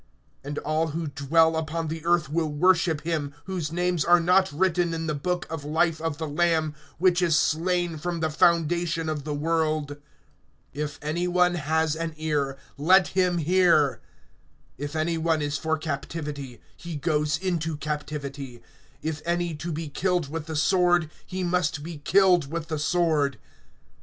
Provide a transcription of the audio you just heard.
(8)And all who dwell upon the earth will worship him, whose names are not written in the book of life of the Lamb which is slain, from the foundation of the world. (9)If any one has an ear, let him hear. (10)If any one is for captivity, he goes into captivity; if any to be killed with the sword, he must be killed with the sword.